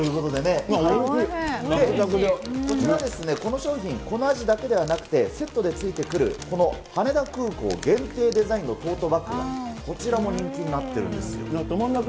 こちら、この商品、この味だけではなくて、セットでついてくる、この羽田空港限定デザインのトートバッグ、こちらも人気になってるんです。